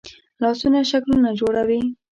لاسونه شکلونه جوړوي